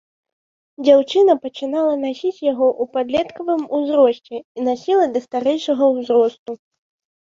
Дзяўчына пачынала насіць яго ў падлеткавым узросце і насіла да старэйшага ўзросту.